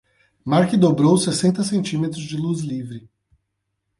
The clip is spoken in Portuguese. Marc dobrou sessenta centímetros de luz livre.